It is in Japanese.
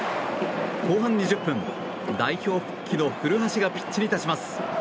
後半２０分、代表復帰の古橋がピッチに立ちます。